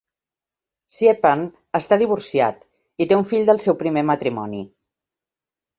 Siepen està divorciat i té un fill del seu primer matrimoni.